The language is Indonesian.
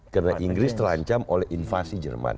karena inggris terlancam oleh invasi jerman